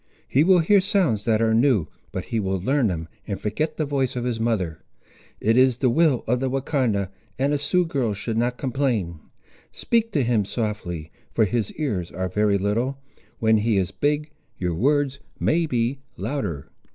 He will hear sounds that are new, but he will learn them, and forget the voice of his mother. It is the will of the Wahcondah, and a Sioux girl should not complain. Speak to him softly, for his ears are very little; when he is big, your words may be louder.